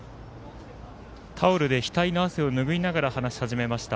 タオルで額の汗をぬぐいながら話し始めました。